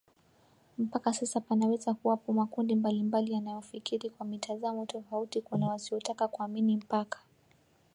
Mpaka sasa panaweza kuwapo makundi mbalimbali yanayofikiri kwa mitazamo tofauti Kuna wasiotaka kuamini mpaka